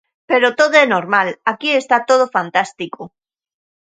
Pero todo é normal, aquí está todo fantástico.